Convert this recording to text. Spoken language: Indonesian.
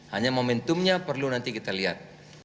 hanya momentumnya perlu nanti kita lihat